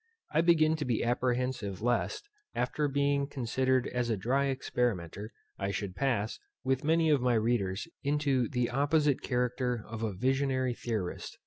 _ I begin to be apprehensive lest, after being considered as a dry experimenter, I should pass, with many of my readers, into the opposite character of a visionary theorist.